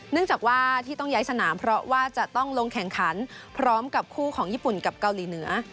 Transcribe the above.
จากว่าที่ต้องย้ายสนามเพราะว่าจะต้องลงแข่งขันพร้อมกับคู่ของญี่ปุ่นกับเกาหลีเหนือ